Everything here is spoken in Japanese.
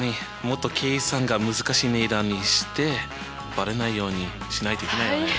もっと計算が難しい値段にしてバレないようにしないといけないよね。